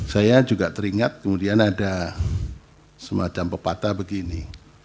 saya juga teringat kemudian ada semacam pepatah begini